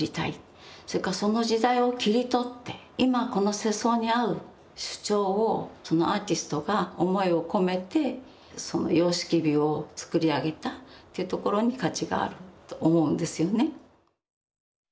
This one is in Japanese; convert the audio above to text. それからその時代を切り取って今この世相に合う主張をアーティストが思いを込めて様式美を作り上げたっていうところに価値があると思うんですよね。